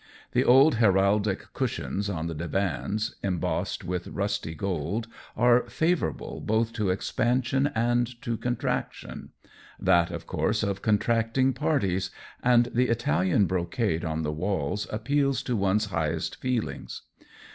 The old heraldic cushions on the di vans, embossed with rusty gold, are favor able both to expansion and to contraction — that, of course, of contracting parties — and the Italian brocade on the walls appeals to one's highest feelings.